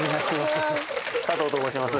加藤と申します